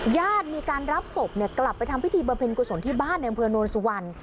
ญาติมีการรับศพกลับไปทำพิธีบำเพ็ญกุศลที่บ้านในอำเภอโนนสุวรรณ